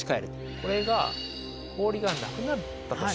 これが氷がなくなった年。